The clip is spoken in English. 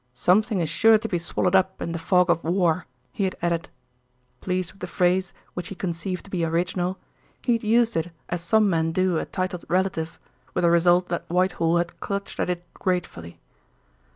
"Something is sure to be swallowed up in the fog of war," he had added. Pleased with the phrase, which he conceived to be original, he had used it as some men do a titled relative, with the result that Whitehall had clutched at it gratefully.